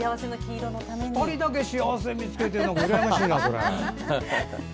２人だけ幸せ見つけてうらやましいな。